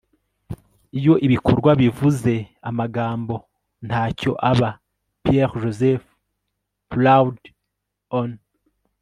iyo ibikorwa bivuze, amagambo ntacyo aba. - pierre-joseph proudhon